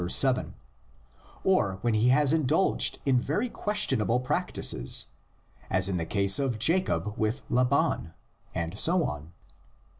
7), or when he has indulged in very questionable practises, as in the case of Jacob with Laban, and so on.